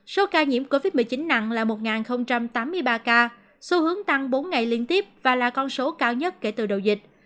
số ca nhiễm covid một mươi chín nặng là một tám mươi ba ca xu hướng tăng bốn ngày liên tiếp và là con số cao nhất kể từ đầu dịch